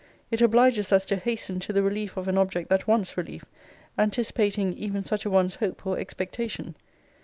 It obliges us to hasten to the relief of an object that wants relief; anticipating even such a one's hope or expectation.